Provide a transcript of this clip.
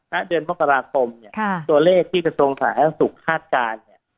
ณเดือนมกราคมตัวเลขที่จะทรงศาสตร์ศักดิ์ศุกร์ค่าตการณ์